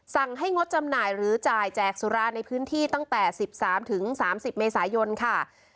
สั่งให้งดจำหน่ายหรือจ่ายแจกสุราในพื้นที่ตั้งแต่๑๓๓๐เมษายนค่ะ